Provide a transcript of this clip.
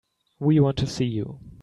We want to see you.